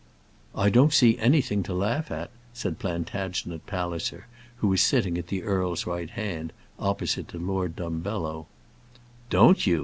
"I don't see anything to laugh at," said Plantagenet Palliser, who was sitting at the earl's right hand, opposite to Lord Dumbello. "Don't you?"